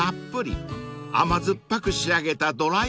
［甘酸っぱく仕上げたドライカレー］